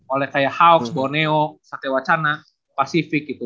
oleh kayak hawks borneo satewacana pacific gitu